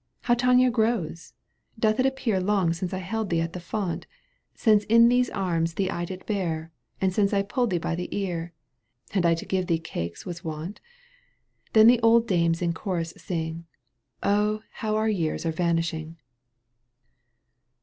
i^^y " How Tania grows ! Doth it appear qM Long since I held thee at the font — Since in these arms I thee did bear — And since I pulled thee by the ear — And I to give thee cakes was wont?" —/ Then the old dames in chorus sing, (/" Oh ! how our years are vanishing